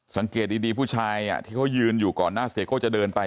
สังเกตดีผู้ชายที่เขายืนอยู่ก่อนหน้าเสียโก้จะเดินไป